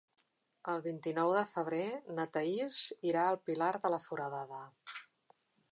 El vint-i-nou de febrer na Thaís irà al Pilar de la Foradada.